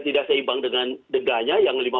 tidak seimbang dengan dengannya yang lima puluh